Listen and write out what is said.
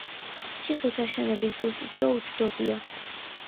ციხის აშენების ზუსტი დრო უცნობია.